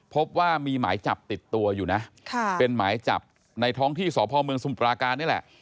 พบว่ามีหมายจับติดตัวอยู่นะเป็นหมายจับในท้องที่สพเมืองสมุปราการนี่แหละ